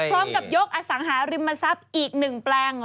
พร้อมกับยกอสังหาริมทรัพย์อีก๑แปลง